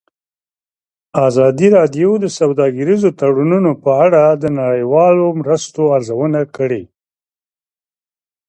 ازادي راډیو د سوداګریز تړونونه په اړه د نړیوالو مرستو ارزونه کړې.